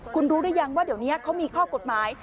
คุณรู้หรือยังว่าเดี๋ยวนี้เขามีข้อกฎหมาย